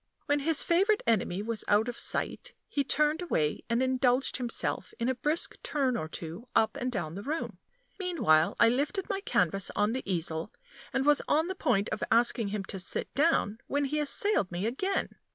When his favorite enemy was out of sight, he turned away, and indulged himself in a brisk turn or two up and down the room. Meanwhile I lifted my canvas on the easel, and was on the point of asking him to sit down, when he assailed me again.